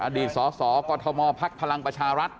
อดีตสสกภพปรังประชารัฐ